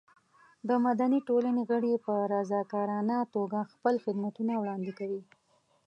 د مدني ټولنې غړي په رضاکارانه توګه خپل خدمتونه وړاندې کوي.